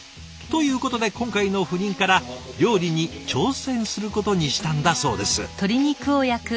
ということで今回の赴任から料理に挑戦することにしたんだそうです。